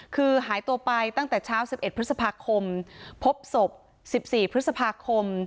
คือหายตัวไปตั้งแต่เช้า๑๑พฤษภาคมพบศพ๑๔พฤษภาคม